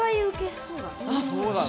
そうだね。